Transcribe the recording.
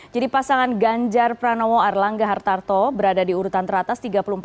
jadi pasangan ganjar pranowo arlangga hartarto berada di urutan teratas tiga puluh empat tiga